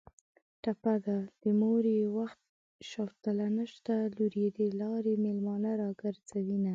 ټپه ده: د مور یې وخت شوتله نشته لور یې د لارې مېلمانه راګرځوینه